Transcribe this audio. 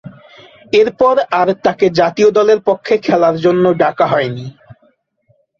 এরপর আর তাকে জাতীয় দলের পক্ষে খেলার জন্যে ডাকা হয়নি।